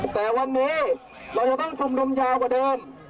แต่วันนี้เราจะต้องชุมนุมยาวกว่าเดิม